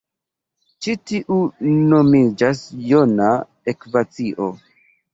Ĉi tiu nomiĝas jona ekvacio.